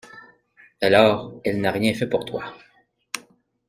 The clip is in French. Alors elle n'a rien fait pour toi.